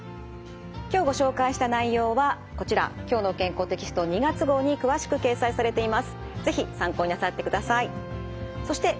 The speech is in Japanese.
今日ご紹介した内容はこちら「きょうの健康」テキスト２月号に詳しく掲載されています。